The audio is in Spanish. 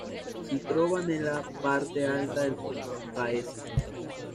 Si trova nella parte alta del paese.